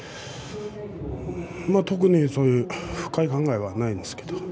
特に深い考えはないです。